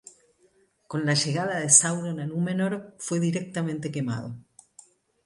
Y con la llegada de Sauron a Númenor fue directamente quemado.